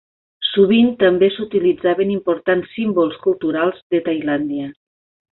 Sovint també s'utilitzaven importants símbols culturals de Tailàndia.